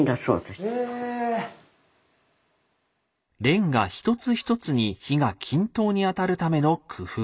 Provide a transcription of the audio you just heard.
レンガ一つ一つに火が均等に当たるための工夫。